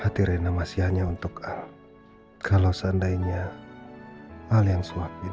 hati rena masih hanya untuk al kalau seandainya al yang suapin